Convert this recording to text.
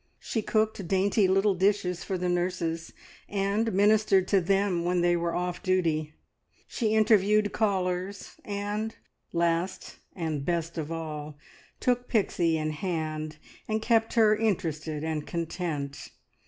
She cooked dainty little dishes for the nurses, and ministered to them when they were off duty. She interviewed callers, and, last and best of all, took Pixie in hand, and kept her interested and content.